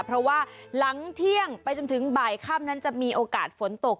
เพราะว่าหลังเที่ยงไปจนถึงบ่ายค่ำนั้นจะมีโอกาสฝนตก